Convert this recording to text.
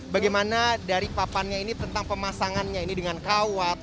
bagaimana dari papannya ini tentang pemasangannya ini dengan kawat